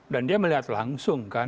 dan dia melihat langsung kan